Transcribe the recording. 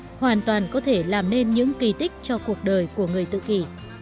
người tự kỷ hoàn toàn có thể làm nên những kỳ tích cho cuộc đời của người tự kỷ